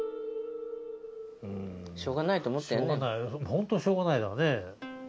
本当にしょうがないからね。